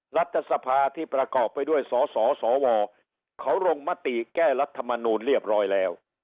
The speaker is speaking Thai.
รัฐสภาที่ประกอบไปด้วยสสสวเขาลงมติแก้รัฐมนูลเรียบร้อยแล้ว